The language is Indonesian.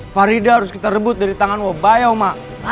farida harus kita rebut dari tangan wak bayau mak